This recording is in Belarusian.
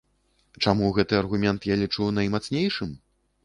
Чаму гэты аргумент я лічу наймацнейшым?